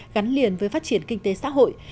gắn liền với phát triển kinh tế xã hội